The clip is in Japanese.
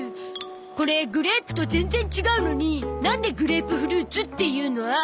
これグレープと全然違うのになんでグレープフルーツっていうの？